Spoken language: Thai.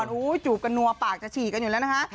จูบกันนัวปากจะฉี่กันอยู่แล้วนะคะ